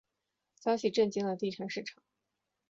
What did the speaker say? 消息震惊了地产市场。